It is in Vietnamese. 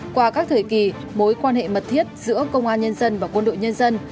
qua các thời kỳ mối quan hệ mật thiết giữa công an nhân dân và quân đội nhân dân